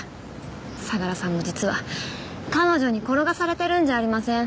相良さんも実は彼女に転がされてるんじゃありません？